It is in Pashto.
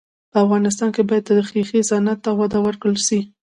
په افغانستان کې باید د ښیښې صنعت ته وده ورکړل سي.